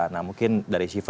nah mungkin dari sifat tersebut